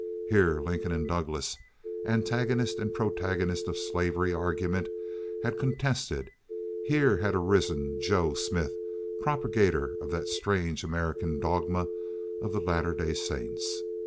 Here Lincoln and Douglas, antagonist and protagonist of slavery argument, had contested; here had arisen "Joe" Smith, propagator of that strange American dogma of the Latter Day Saints.